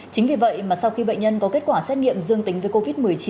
chính vì vậy mà sau khi bệnh nhân có kết quả xét nghiệm dương tính với covid một mươi chín